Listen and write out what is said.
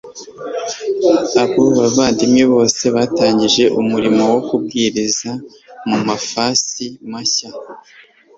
abo bavandimwe bose batangije umurimo wo kubwiriza mu mafasi mashya